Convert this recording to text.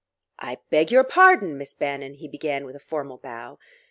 "I beg your pardon, Miss Bannon " he began with a formal bow.